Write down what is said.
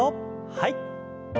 はい。